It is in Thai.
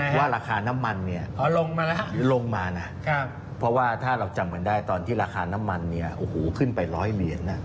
ว่าราคาน้ำมันเนี่ยลงมานะเพราะว่าถ้าเราจำเป็นได้ตอนที่ราคาน้ำมันเนี่ยโอ้โหขึ้นไปร้อยเหรียญนะ